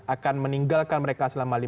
akan meninggalkan mereka selama